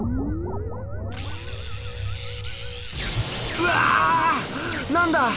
うわ！何だ！